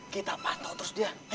kita pantau terus dia